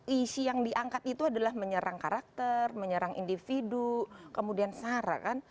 isi yang diangkat itu adalah menyerang karakter menyerang individu kemudian sara kan